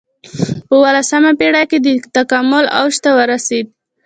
په اولسمه پېړۍ کې د تکامل اوج ته ورسېد.